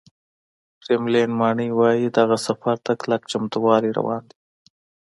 کرملین ماڼۍ وایي، دغه سفر ته کلک چمتووالی روان دی